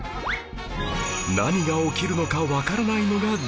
何が起きるのかわからないのが人生